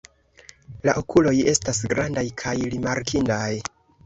La okuloj estas grandaj kaj rimarkindaj.